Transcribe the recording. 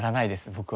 僕は。